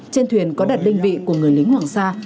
trên thuyền có đặt đơn vị của người lính hoàng sa